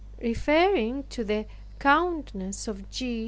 Referring to the Countess of G.